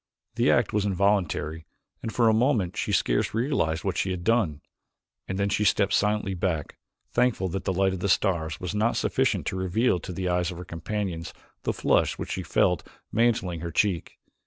The act was involuntary and for a moment she scarce realized what she had done, and then she stepped silently back, thankful that the light of the stars was not sufficient to reveal to the eyes of her companions the flush which she felt mantling her cheek.